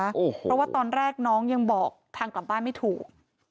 เพราะว่าตอนแรกน้องยังบอกทางกลับบ้านไม่ถูก